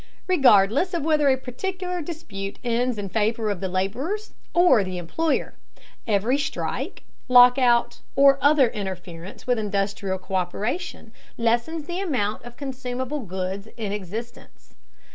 Regardless of whether a particular dispute ends in favor of the laborers or the employer, every strike, lockout, or other interference with industrial co÷peration lessens the amount of consumable goods in existence.